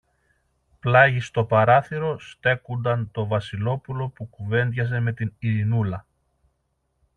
Πλάγι στο παράθυρο στέκουνταν το Βασιλόπουλο που κουβέντιαζε με την Ειρηνούλα